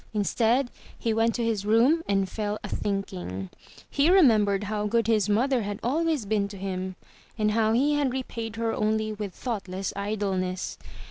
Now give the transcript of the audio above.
Instead, he went to his room and fell a thinking. He remembered how good his mother had always been to him, and how he had repaid her only with thoughtless idleness.